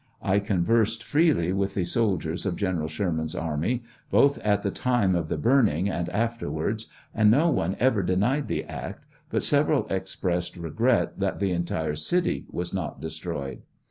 I conversed freely with the soldiers of Gen. Sherman's army, both at the time of 'the' burn ing and afterwards, and no one ever denied thoact,']^ut several expressed regret that the entire city was not destroyed.